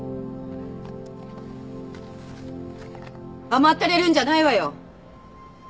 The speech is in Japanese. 甘ったれるんじゃないわよ！